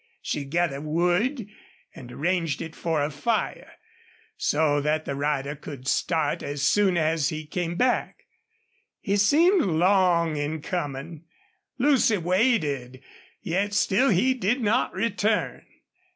She gathered wood, and arranged it for a fire, so that the rider could start as soon as he came back. He seemed long in coming. Lucy waited, yet still he did not return.